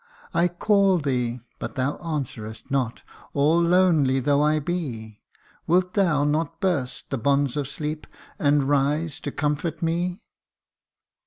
I call thee, but them ansvverest not, all lonely though I be : Wilt thou not burst the bonds of sleep, and rise to comfort me